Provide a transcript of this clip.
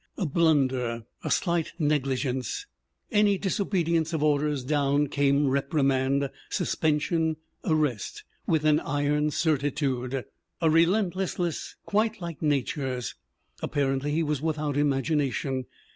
A blunder, a slight negligence, any disobedience of orders down came reprimand, suspension, arrest, with an iron cer titude, a relentlessness quite like Nature's. Apparently he was without imagination.